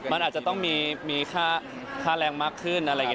มันอาจจะต้องมีค่าแรงมากขึ้นอะไรอย่างนี้